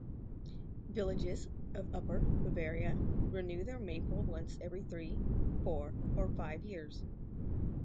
Villages of Upper Bavaria renew their Maypole once every three, four, or five years.